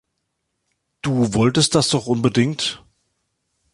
Du wolltest das doch unbedingt.